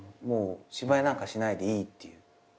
芝居なんかしないでいいっていう。